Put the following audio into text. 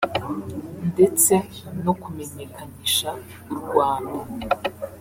ndetse no kumenyekanisha u Rwanda